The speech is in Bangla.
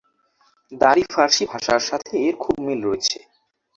দারি ফার্সি ভাষার সাথে এর খুব মিল রয়েছে।